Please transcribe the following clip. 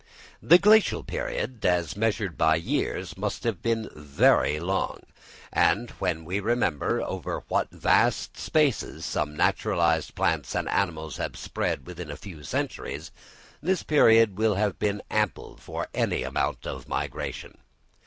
The Glacial period, as measured by years, must have been very long; and when we remember over what vast spaces some naturalised plants and animals have spread within a few centuries, this period will have been ample for any amount of migration.